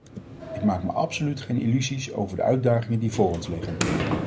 Ik maak me absoluut geen illusies over de uitdagingen die voor ons liggen.